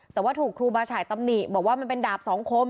แต่ว่าถูกครูบาฉายตำหนิบอกว่ามันเป็นดาบสองคม